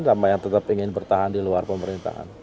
sama yang tetap ingin bertahan di luar pemerintahan